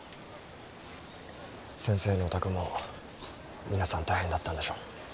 先生のお宅も皆さん大変だったんでしょ？